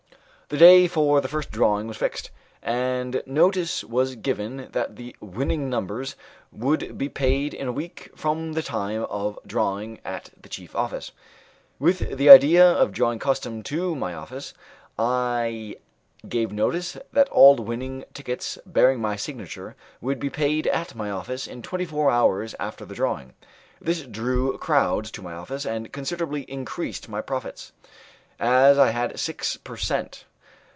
The day for the first drawing was fixed, and notice was given that the winning numbers would be paid in a week from the time of drawing at the chief office. With the idea of drawing custom to my office, I gave notice that all winning tickets bearing my signature would be paid at my office in twenty four hours after the drawing. This drew crowds to my office and considerably increased my profits, as I had six per cent.